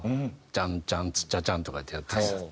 チャンチャンズチャチャンとかってやってたら。